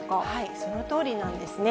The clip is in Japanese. そのとおりなんですね。